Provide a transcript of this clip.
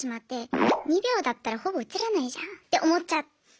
２秒だったらほぼ映らないじゃんって思っちゃって。